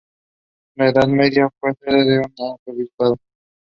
This was found not to be feasible owing to insufficient funds.